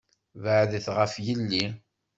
Beεεed ɣef yelli!